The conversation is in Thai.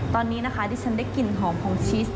ตอนนี้นะคะดิฉันได้กลิ่นหอมของชีส